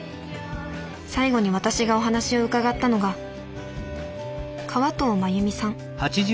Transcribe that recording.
最後に私がお話を伺ったのが河東まゆみさん。